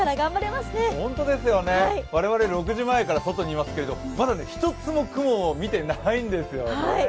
ほんとですよね、我々６時前から外にいますけどまだ１つも雲を見てないんですよね